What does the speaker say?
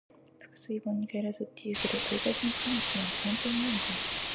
「覆水盆に返らず」って言うけど、取り返しのつかないことなんて本当にあるのかな。